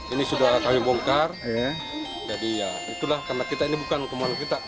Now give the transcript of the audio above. ini sudah kami bongkar jadi ya itulah karena kita ini bukan hukuman kita